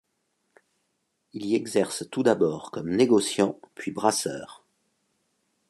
Il y exerce tout d'abord comme négociant puis brasseur.